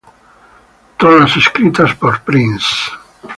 Todas escritas por Prince.